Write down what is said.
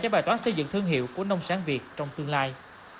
cho bài toán xây dựng thương hiệu của nông sản việt trong tương lai